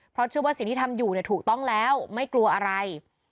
เพราะเชื่อว่าสิ่งที่ทำอยู่เนี่ยถูกต้องแล้วไม่กลัวอะไร